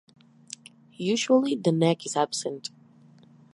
Usually the neck is absent.